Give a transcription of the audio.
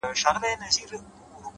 هوښیار انسان هره شېبه ارزوي!